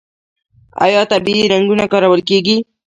آیا طبیعي رنګونه کارول کیږي؟